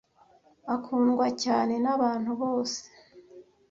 Akundwa cyane nabantu bose.